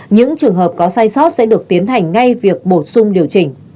những trường hợp có sai sót sẽ được tiến hành ngay việc bổ sung điều chỉnh